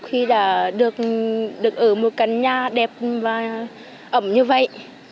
khi đã được ở một căn nhà đẹp và ẩm như vậy